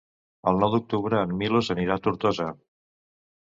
El nou d'octubre en Milos anirà a Tortosa.